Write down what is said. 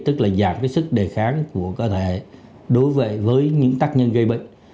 tức là giảm cái sức đề kháng của cơ thể đối với những tác nhân gây bệnh